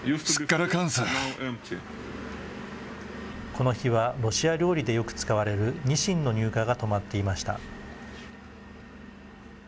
この日は、ロシア料理でよく使われるニシンの入荷が止まっていました。